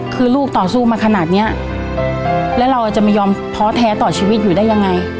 คือลูกต่อสู้มาขนาดเนี้ยแล้วเราจะไม่ยอมท้อแท้ต่อชีวิตอยู่ได้ยังไง